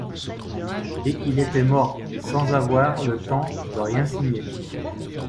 Et il était mort, sans avoir le temps de rien signer.